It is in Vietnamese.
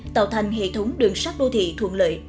tạo thành hệ thống đường sắt đô thị thuận lợi